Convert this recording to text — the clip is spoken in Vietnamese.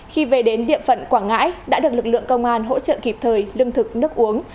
khi về đến địa phận quảng ngãi đã được lực lượng công an hỗ trợ kịp thời lương thực nước uống